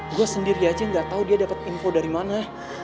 gue sendiri aja gak tau dia dapet info dari mana